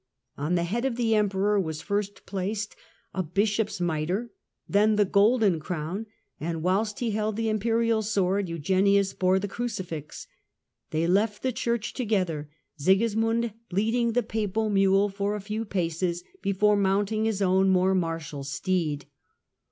On the head of the Emperor was first placed a Bishop's mitre, then the golden crown, and whilst he held the Imperial sword, Eugenius bore the crucifix. They left the Church to gether, Sigismund leading the Papal mule for a few paces, before mounting his own more martial steed.